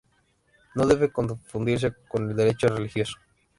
No debe confundirse con el Derecho religioso.